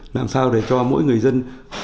làm sao để cho mỗi người dân